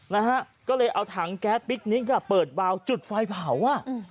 นะฮะก็เลยเอาถังแก๊สปิ๊กนิกอ่ะเปิดวาวจุดไฟเผาอ่ะอืม